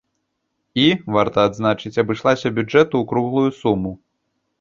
І, варта адзначыць, абышлася бюджэту ў круглую суму.